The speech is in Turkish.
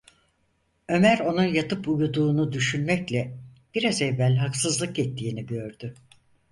Ömer onun yatıp uyuduğunu düşünmekle biraz evvel haksızlık ettiğini gördü.